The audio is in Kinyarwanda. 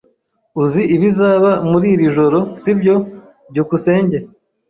Uzi ibizaba muri iri joro, sibyo? byukusenge